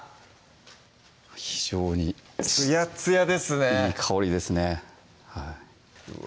非常につやっつやですねいい香りですねうわ